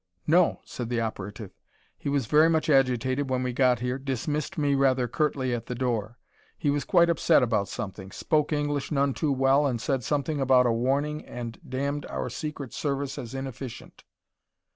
"No," said the operative; "he was very much agitated when we got here dismissed me rather curtly at the door. He was quite upset about something spoke English none too well and said something about a warning and damned our Secret Service as inefficient."